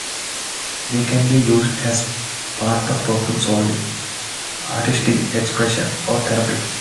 They can be used as part of problem solving, artistic expression, or therapy.